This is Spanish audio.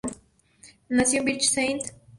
Nació en Biache-Saint-Vaast, en el Paso de Calais.